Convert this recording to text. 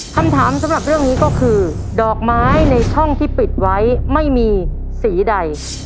คำถามสำหรับเรื่องนี้ก็คือดอกไม้ในช่องที่ปิดไว้ไม่มีสีใด